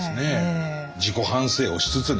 自己反省をしつつね。